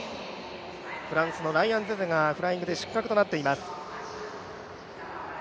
フランスのライアン・ゼゼがフライングで失格となっています。